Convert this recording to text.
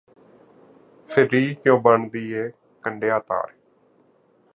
ਫਿਰ ੀਿਕਉਂ ਬਨਦੀ ਏ ਕੰਡਿਆਂ ਤਾਰ